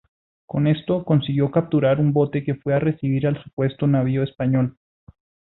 Con esto, consiguió capturar un bote que fue a recibir al supuesto navío español.